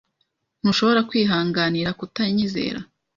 Ntushobora kwihanganira kutanyizera.